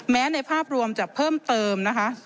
แม้ในภาพรวมจะเพิ่มเติม๑๐